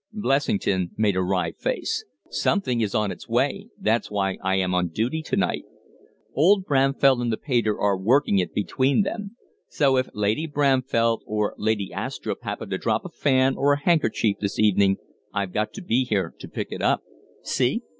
Blessington made a wry face "Something is on its way that's why I am on duty to right. Old Bramfell and the pater are working it between them. So if Lady Bramfell or Lady Astrupp happen to drop a fan or a handkerchief this evening, I've got to be here to pick it up. See?"